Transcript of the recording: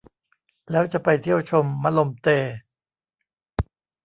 แล้วจะไปเที่ยวชมมะลมเต